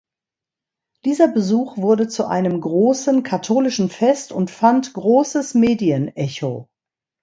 Dieser Besuch wurde zu einem großen katholischen Fest und fand großes Medienecho.